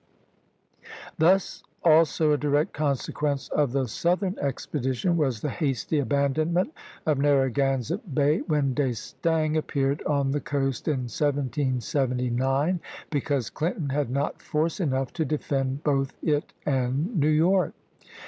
Thus also a direct consequence of the southern expedition was the hasty abandonment of Narragansett Bay, when D'Estaing appeared on the coast in 1779, because Clinton had not force enough to defend both it and New York.